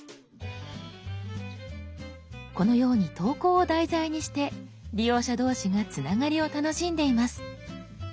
このように投稿を題材にして利用者同士がつながりを楽しんでいます。